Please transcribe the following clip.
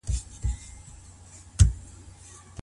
د کورنيو تر منځ سيالي څه معنی لري؟